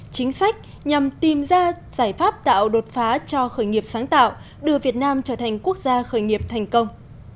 chính sách nhằm tìm ra giải pháp tạo đột phá cho khởi nghiệp sáng tạo đưa việt nam trở thành quốc gia khởi nghiệp thành công